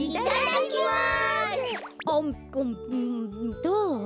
どう？